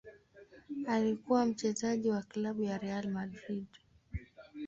Alikuwa mchezaji wa klabu ya Real Madrid.